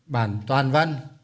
bản toàn văn